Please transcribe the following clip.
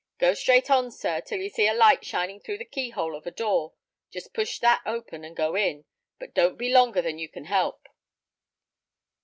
Go straight on, sir, till you see a light shining through the keyhole of a door; just push that open and go in, but don't be longer than you can help."